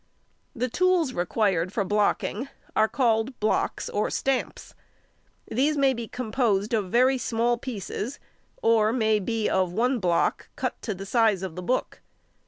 The tools required for blocking are called blocks or stamps. These may be composed of very small pieces, or may be of one block cut to the size of the book.